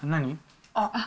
あっ。